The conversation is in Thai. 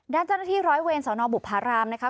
ด้านเจ้าหน้าที่ร้อยเวรสนบุภารามนะคะ